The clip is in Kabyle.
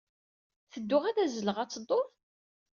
Tedduɣ ad azzleɣ. A d tedduḍ?